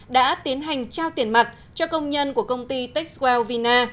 đã tiến hành trao tiền mặt cho công nhân của công ty techwell vina